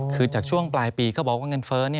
คือจากช่วงปลายปีก็บอกว่าเงินเฟ้อ